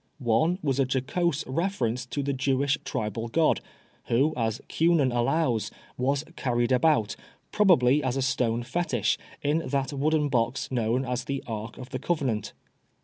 One was a jocose reference to the Jewish tribal god, who, as Keunen allows, was carried about, probably as a stone fetish, in that wooden box known as the ^^ ark of the covenant."